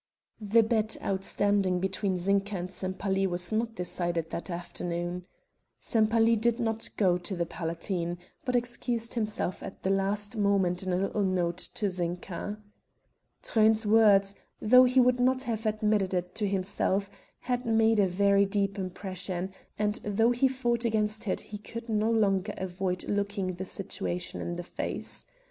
The bet outstanding between Zinka and Sempaly was not decided that afternoon. Sempaly did not go to the Palatine, but excused himself at the last moment in a little note to Zinka. Truyn's words, though he would not have admitted it to himself, had made a very deep impression, and though he fought against it he could no longer avoid looking the situation in the face.